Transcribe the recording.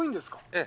ええ。